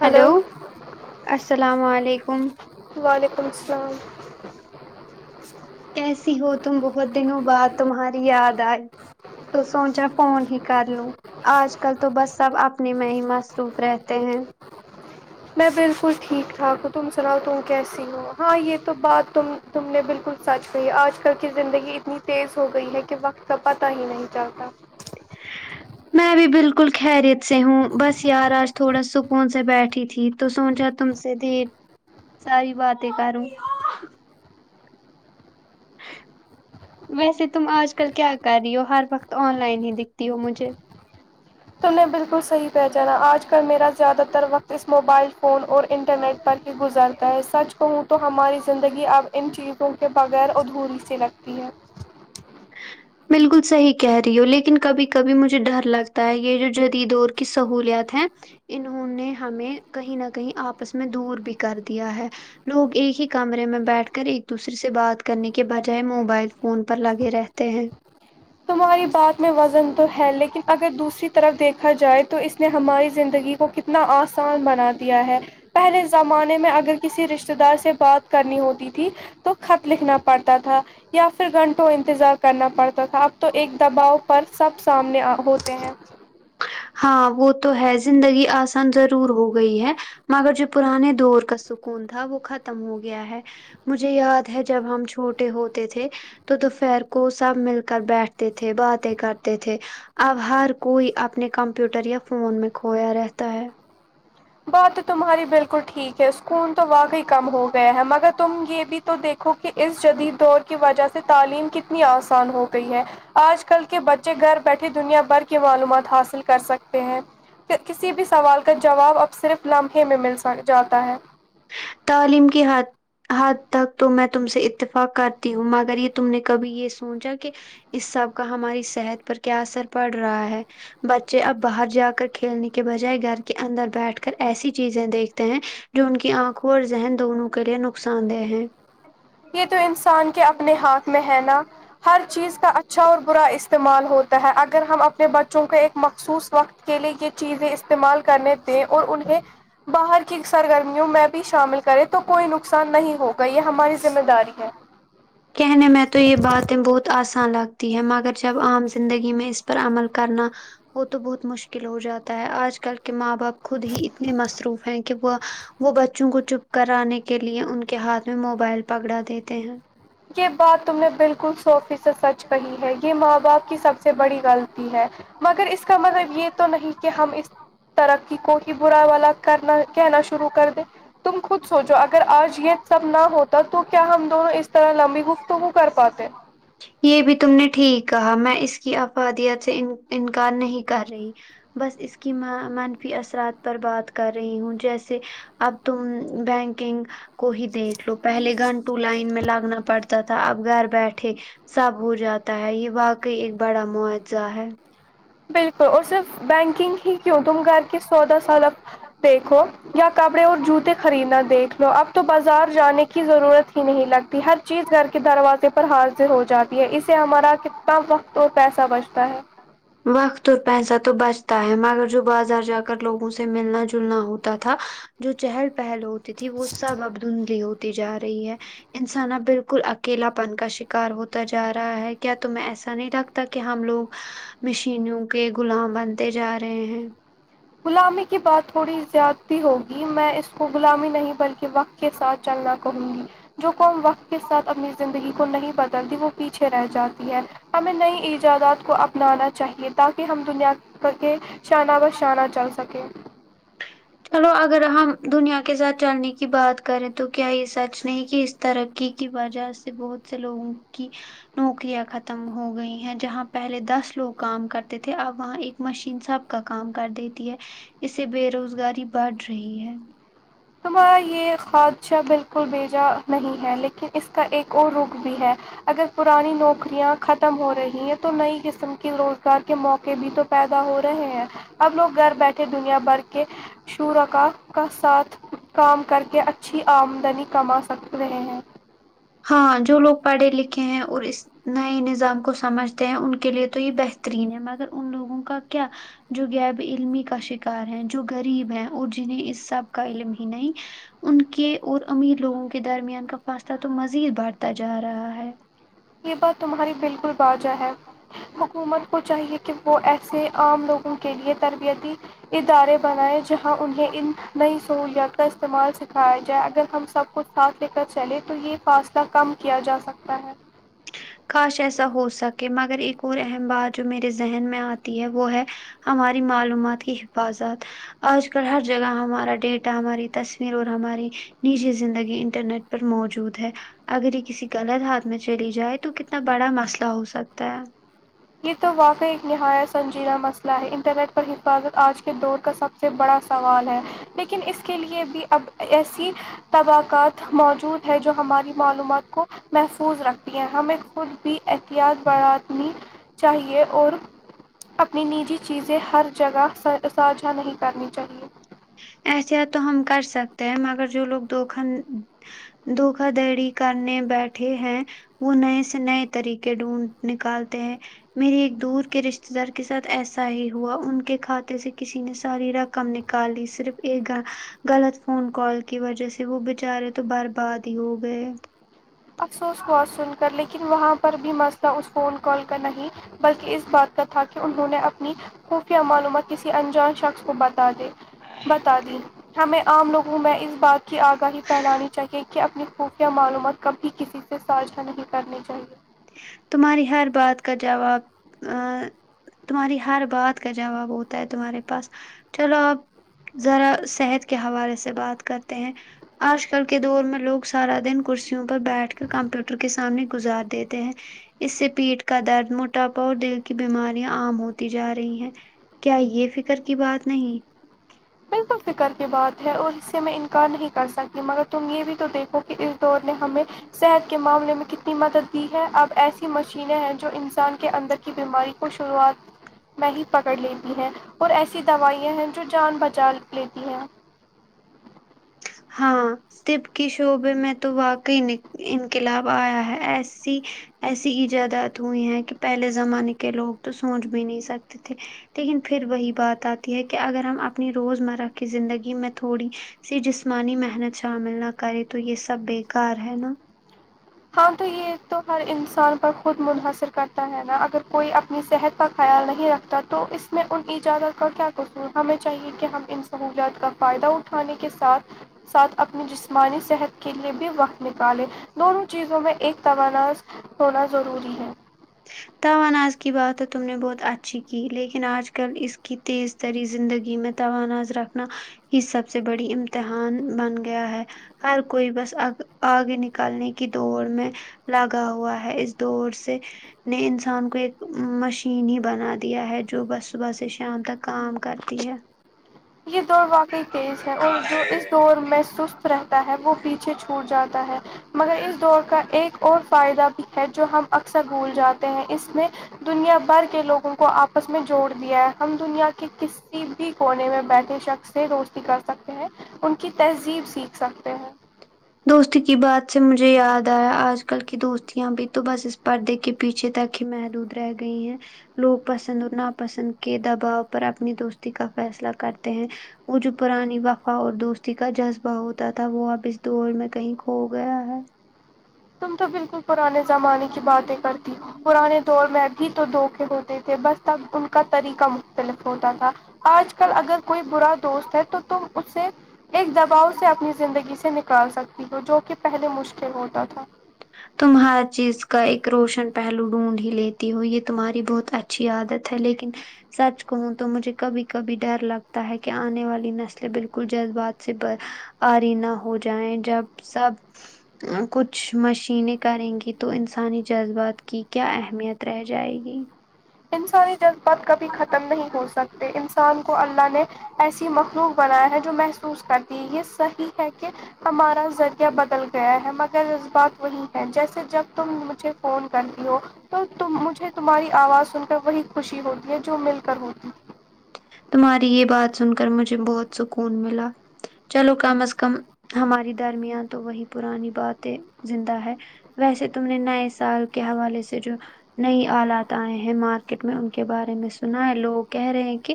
hello hello السلام علیکم وعلیکم السلام کیسی ہو تم بہت دنوں بعد تمہاری یاد آئے تو سوچا فون ہی کر لو آج کل تو بس سب اپنے میں ہی مصروف رہتے ہیں میں بالکل ٹھیک ٹھاک ہوں تم سناؤ تم کیسی ہو ہاں یہ تو بات تم تم نے بالکل سچ کہی آج کل کی زندگی اتنی تیز ہو گئی ہے کہ وقت کا پتہ ہی نہیں چلتا ہ میں بھی بالکل خریت سے ہوں بس یار آج تھوڑا سکون سے بیٹھی تھی تو سوچا تم سے ڈھیر ساری باتیں کروں ویسے تم آج کل کیا کر رہی ہو ہر وقت آن لائن ہی دکھتی ہو مجھے تم نے بالکل صحیح پہچانا آج کل میرا زیادہ تر وقت اس موبائل فون اور انٹرنیٹ پر ہی گزرتا ہے سچ کہو تو ہماری زندگی اب ان چیزوں کے بغیر ادھوری سی لگتی ہے بالکل صحیح کہہ رہی ہ ہو لیکن کبھی کبھی مجھے ڈر لگتا ہے یہ جو جدید دور کی سہولیات ہیں انہوں نے ہمیں کہیں نہ کہیں آپس میں دور بھی کر دیا ہے لوگ ایک ہی کمرے میں بیٹھ کر ایک دوسرے سے بات کرنے کے بجائے موبائل فون پر لگے رہتے ہیں تمہاری بات میں وزن تو ہے لیکن اگر دوسری طرف دیکھا جائے تو اس نے ہماری زندگی کو کت نا آسان بنا دیا ہے پہلے زمانے میں اگر کسی رشتے دار سے بات کرنی ہوتی تھی تو خط لکھنا پڑتا تھا یا پھر گھنٹوں انتظار کرنا پڑتا تھا اب تو ایک دباؤ پر سب سامنے ہوتے ہیں ہاں وہ تو ہے زندگی آسان ضرور ہو گئی ہے مگر جو پرانے دور کا سکون تھا وہ ختم ہو گیا ہے مجھے یاد ہے جب ہم چھوٹے ہوتے تھے تو دوپہر کو سب مل کر بیٹھتے تھے باتیں کرتے تھے اب ہر کوئی اپنے کمپیوٹر یا فون میں کھویا رہتا ہے بات تو تمہاری بالکل ٹھیک ہے سکون تو واقعی کم ہو گیا ہے مگر تم یہ بھی تو دیکھو کہ اس جدید دور کی وجہ سے تعلیم کتنی آسان ہو گئی ہے آج کل کے بچے گھر بیٹھے دنیا بھر کی معلومات حاصل کر سکتے ہیں کسی بھی سوال کا جواب اب صرف لمحے میں مل سک جاتا ہے تعلیم کے ہاتھ حد تک تو میں تم سے اتفاق کرتی ہوں مگر یہ تم نے کبھی یہ سوچا کہ اس سب کا ہماری صحت پر کیا اثر پڑ رہا ہے بچے اب باہر جا کر کھیلنے کے بجائے گھر کے اندر بیٹھ کر ایسی چیزیں دیکھتے ہیں جو ان کی آنکھوں اور ذہن دونوں کے لیے نقصان دہ ہیں یہ تو انسان کے اپنے ہاتھ میں ہے نا ہر چیز کا اچھا اور برا استعمال ہوتا ہے اگر ہم اپنے بچوں کا ایک مخصوص وقت کے لیے یہ چیزیں استعمال کرنے تھے اور انہیں باہر کی کی سرگرمیوں میں بھی شامل کرے تو کوئی نقصان نہیں ہوگا یہ ہماری ذمہ داری ہے کہنے میں تو یہ باتیں بہت آسان لگتی ہے مگر جب عام زندگی میں اس پر عمل کرنا وہ تو بہت مشکل ہو جاتا ہے آج کل کے ماں باپ خود ہی اتنے مصروف ہیں کہ وہ وہ بچوں کو چپ کر آنے کے لیے ان کے ہاتھ میں موبائل پکڑا دیتے ہیں یہ بات تم نے بالکل صو فیصد سچ کہی ہے یہ ماں باپ کی سب سے بڑی غلطی ہے مگر اس کا مطلب یہ تو نہیں کہ ہم اس ترقی کو ہی برا والا کرنا کہنا شروع کر دے تم خود سوچو اگر آج یہ سب نہ ہوتا تو کیا ہم دونوں اس تو لمبی گفتگو کر پاتے یہ بھی تم نے ٹھیک کہا میں اس کی افادیت سے انکار نہیں کر رہی بس اس کی منفی اثرات پر بات کر رہی ہوں جیسے اب تو بینکنگ کو ہی دیکھ لو پہلے گھنٹو لائن میں لگنا پڑتا تھا اب گھر بیٹھے سب ہو جاتا ہے یہ واقعی ایک بڑا معجزہ ہے بالکل اور صرف بینکنگ ہی کیوں تم گھر کے سودہ سال دیکھو یا کپڑے اور جوتے خریدنا دیکھ لو اب تو بازار جانے کی ضرورت ہی نہیں لگتی ہر چیز گھر کے دروازے پر حاضر ہو جاتی ہے اس سے ہمارا کتنا وقت اور پیسہ بچتا ہے وقت اور پیسہ تو بچتا ہے مگر جو بازار جا کر لوگوں سے ملنا جلنا ہوتا تھا جو چہل پہل ہوتی تھی وہ سب اب دھندلی ہوتی جا رہی ہے انسانا بالکل اکیلا پن کا شکار ہوتا جا رہا ہے کیا تمہیں ایسا نہیں رکھتا تکہ ہم لوگ مشینوں کے غلام بنتے جا رہے ہیں غلامی کی بات تھوڑی زیاد بھی ہوگی میں اس کو غلامی نہیں بلکہ وقت کے ساتھ چلنا کہوں گی جو قوم وقت کے ساتھ اپنی زندگی کو نہیں بدلتی وہ پیچھے رہ جاتی ہے ہمیں نئی ایجادات کو اپنانا چاہیے تاکہ ہم دنیا کے شان بہ شانہ چل سکے چلو اگر ہم دنیا کے ساتھ چلنے کی بات کریں تو کیا یے سچ نہیں کی اس ترقی کی وجہ سے بہت سے لوگوں کی نوکریاں ختم ہو گئی ہیں جہاں پہلے دس لوگ کام کرتے تھے اب وہاں ایک مشین سب کا کام کر دیتی ہے اس سے بے روزگاری بڑھ رہی ہے تمہارا یے خادشہ بالکل بھیجا نہیں ہے لیکن اس کا ایک اور رخ بھی ہے اگر پرانی نوکریاں ختم ہو رہی ہیں تو نئی قسم کے روزگار کے موقع بھی تو پیدا ہو رہے ہیں اب لوگ گھر بیٹھے دنیا بھر کے شورکا کا ساتھ کام کر کے اچھی آمدنی کما سکھ رہے ہیں ہاں ہاں جو لوگ پڑھے لکھے ہیں اور اس نئے نظام کو سمجھتے ہیں ان کے لیے تو یے بہترین ہے مگر ان لوگوں کا کیا جو غیب علمی کا شکار ہے جو غریب ہے اور جنہیں اس سب کا علم ہی نہیں ان کے اور امیر لوگوں کے درمیان کا فاصلہ تو مزید بڑھتا جا رہا ہے یے بات تمہاری بالکل باجہ ہے حکومت کو چاہیے کہ وہ ایسے عام لوگوں کے لیے تربیتی ادارے بنائے جہاں انہیں ان نئی سہولیات کا استعمال سکھایا جائے اگر ہم سب کچھ ساتھ لے کر چلیں تو یے فاصلہ کم کیا جا سکتا ہے کاش ایسا ہو سکے مگر ایک اور اہم بات جو میرے ذہن میں اتی ہے وہ ہے ہماری معلومات کی حفاظت آج کل ہر جگہ ہمارا ڈیٹا ہماری تصویر اور ہماری نجی زندگی انٹرنیٹ پر موجود ہے اگر یے کسی غلط ہاتھ میں چلی جائے تو تو کتنا بڑا مسئلہ ہو سکتا ہے یے تو واقع ایک نہایت سنجیدہ مسئلہ ہے انٹرنیٹ پر حفاظت آج کے دور کا سب سے بڑا سوال ہے لیکن اس کے لیے بھی اب ایسی طبقات موجود ہے جو ہماری معلومات کو محفوظ رکھتی ہیں ہمیں خود بھی احتیاط بڑھانی چاہیے اور اپنی نجی چیزیں ہر جگہ ساجھا نہیں کرنی چاہیے ایسے تو ہم کر سکتے ہیں مگر جو لوگ دوکھن دھوکا دھڑی کرنے بیٹھے ہیں وہ نئے سے نئے طریقے ڈھونڈ نکالتے ہیں میری ایک دور کے رشتے دار کے ساتھ ایسا ہی ہوا ان کے کھاتے سے کسی نے ساری رقم نکالی صرف ایک غلط فون کال کی وجہ سے وہ بچارے تو برباد ہی ہو گئے افسوس ہوا سن کر لیکن وہاں پر بھی مسئلہ اس فون کال کا نہیں بلکی اس بات کا تھا کی انہوں نے اپنی کو کیا معلومات کسی انجان شخص کو بتا دے بتا دی ہمیں عام لوگوں میں اس بات کی اگاہی پھیلانی چاہیے کی اپنی خفیہ معلومات کبھی کسی سے سا جھا نہیں کرنی چاہیے تمہاری ہر بات کا جواب آ تمہاری ہر بات کا جواب ہوتا ہے تمہارے پاس چلو اب ذرا صحت کے حوالے سے بات کرتے ہیں اج کل کے دور میں لوگ سارا دن کرسیوں پر بیٹھ کر کمپیوٹر کے سامنے گزار دے تے ہیں اس سے پیٹ کا درد موٹاپا اور دل کی بیماریاں عام ہوتی جا رہی ہیں کیا یے فکر کی بات نہیں کر کے بات ہے اور اس سے میں انکار نہیں کر سکتی مگر تم یہ بھی تو دیکھو کہ اس دور نے ہمیں صحت کے معاملے میں کتنی مدد دی ہے اب ایسی مشینیں ہیں جو انسان کے اندر کی بیماری شروعات میں ہی پکڑ لیتی ہیں اور ایسی دوائیاں ہیں جو جان بچا چالک لیتی ہے ہاں تب کی شعبے میں تو واقعی ان انقلاب ایا ہے ایسی ایسی ایجادات ہوئی ہیں کہ پہلے زمانے کے لوگ تو سوچ بھی نہیں سکتے تھے لیکن پھر وہی بات اتی ہے کہ اگر ہم اپنی روزمرہ کی زندگی میں تھوڑی سے جسمانی محنت شامل نہ کرے تو یہ سب بےیکار ہے نا ہاں تو یہ تو ہر انسان پر خود منمحصر کرتا ہے نا اگر کوئی اپنی صحت کا خیال نہیں رکھتا تو اس میں ان اجازت کا کیا قصور ہمیں چاہیے کہ ہم ان سہولیات کا فائدہ اٹھانے کے ساتھ ساتھ اپنی جسمانی صحت کے لیے بھی وقت نکالے دونوں چیزوں میں ایک تو ناز ہونا ضروری ہے توناز کی بات تو تم نے بہت اچھی کی لیکن اج کل اس کی تیز تری زندگی میں تو ناز رکھنا ہی سب سے بڑی امتحان بن گیا ہے ہر کوئی بس اگ اگے نکالنے کی دوڑ میں لگا ہوا ہے اس دور سے نے انسان کو ایک مشین ہی بنا دیا ہے جو بس صبح سے شام تک کام کرتی ہے یہ دور واقعی تیز ہے اور جو اس دور میں سست رہتا ہے وہ پیچھے ھوٹ جاتا ہے مگر اس دور کا ایک اور فائدہ بھی ہے جو ہم اکثر بھول جاتے ہیں اس میں دنیا بھر کے لوگوں کو اپس میں جوڑ دیا ہے ہم دنیا کے کسی بھی کونے میں بیٹھے شخص سے دوستی کر سکتے ہیں ان کی تہذیب سیکھ سکتے ہیں دوست کی بات سے مجھے یاد ایا اج کل کی دوستیاں بھی تو بس اس پردے کی پیچھے تک ہی محدود رہ گئی ہیں لوگ پسند اور ناپسند کے دباؤ پر اپنی دوستی کا فیصلہ کرتے ہیں وہ جو پرانی وفا اور دوستی کا جذبہ ہوتا تھا وہ اب دور میں کہیں کھو گیا ہے تم تو بالکل پرانے زمانے کی باتیں کرتی ہو پرانے دور میں اب ہی تو دھوکے ہوتے تھے بس تب ان کا طریقہ مختلف ہوتا تھا آج کل اگر کوئی برا دوست ہے تو تم اس سے ایک دباؤ سے اپنی زندگی سے نک نکال سکتی ہو جو کہ پہلے مشکل ہوتا تھا ا تم ہر چیز کا ایک روشن پہلو ڈھونڈ ہی لیتی ہو یہ تمہاری بہت اچھی عادت ہے لیکن سچ کہوں تو مجھے کبھی کبھی ڈر لگتا ہے کہ انے والی نسلیں بالکل جذبات سے ارینہ ہو جائے جب سب کچھ مشینیں کریں گی تو انسانی جذبات کی کیا اہمیت رہ جائے گی انسانی جذبات کبھی ختم نہیں ہو سکتے انسان کو اللہ نے ایسی مخلوق بنایا ہے جو محسوس کرتی ہے یہ صحیح ہے کہ ہمارا ذریعہ بدل گیا ہے مگر اس بات وہی ہے جیسے جب تم مجھے فون کرتی ہو تو تم مجھے تمہاری آواز سن کر وہی خوشی ہوتی ہے جو مل کر ہوتی تمہاری یہ بات سن کر مجھے بہت سکون ملا چلو کم از کم ہماری درمیان تو وہی پرانی باتیں زندہ ہے ویسے تم نے نئے سال کے حوالے سے جو نئی آلات آئے ہیں مارکیٹ میں ان کے بارے میں سنا ہے لوگ کہہ رہے ہیں کہ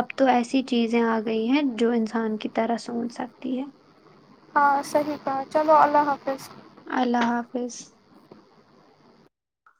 اب تو ایسی چیزیں آ گئی ہیں جو انسان کی طرح سوچ سکتی ہے ہاں صحیح کہا چلو اللہ حافظ اللہ حافظ